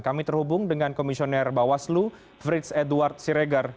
kami terhubung dengan komisioner bawaslu frits eduard siregar